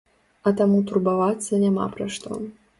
А таму турбавацца няма пра што.